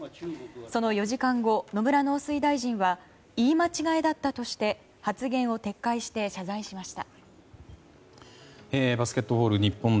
その４時間後、野村農水大臣は言い間違えだったとして発言を撤回して謝罪しました。